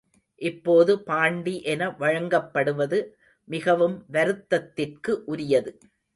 இப்போது பாண்டி என வழங்கப்படுவது மிகவும் வருத்தத்திற்கு உரியது.